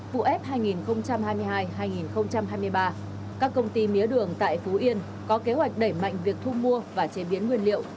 vụ ép hai nghìn hai mươi hai hai nghìn hai mươi ba các công ty mía đường tại phú yên có kế hoạch đẩy mạnh việc thu mua và chế biến nguyên liệu